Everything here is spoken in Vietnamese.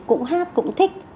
cũng hát cũng thích